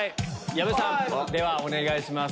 矢部さんではお願いします。